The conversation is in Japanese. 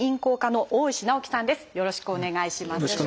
よろしくお願いします。